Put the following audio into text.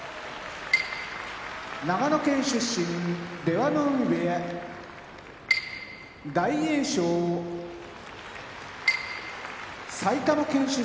長野県出身出羽海部屋大栄翔埼玉県出身